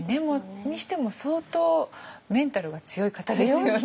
にしても相当メンタルが強い方ですよね。